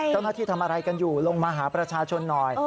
เจ้าหน้าที่ทำอะไรกันอยู่ลงมาหาประชาชนหน่อย